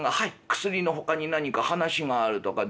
薬のほかに何か話があるとかで」。